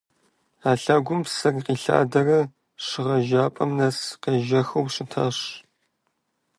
А лъэгум псыр къилъадэрэ шыгъэжапӏэм нэс къежэхыу щытащ.